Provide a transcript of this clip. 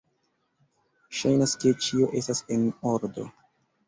Ŝajnas ke ĉio estas en ordo.